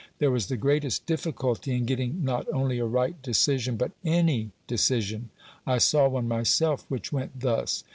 There was the greatest difficulty in getting, not only a right decision, but ANY decision, I saw one myself which went thus.